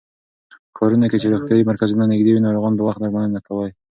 په ښارونو کې چې روغتيايي مرکزونه نږدې وي، ناروغان په وخت درملنه ترلاسه کوي.